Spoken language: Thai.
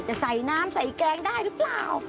จะใส่น้ำใส่แกงได้ไหม